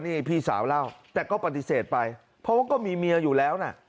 นี่พี่สาวเล่าแต่ก็ปฏิเสธไปเพราะว่าก็มีเมียอยู่แล้วนะ